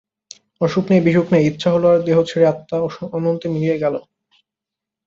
অসুখ নেই বিসুখ নাই, ইচ্ছা হল আর দেহ ছেড়ে আত্মা অনন্তে মিশিয়া গেল।